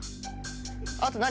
あと何？